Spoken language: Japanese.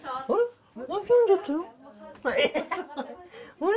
あれ？